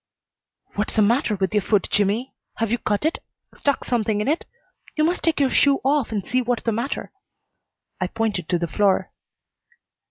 "What's the matter with your foot, Jimmy? Have you cut it, stuck something in it? You must take your shoe off and see what's the matter." I pointed to the floor.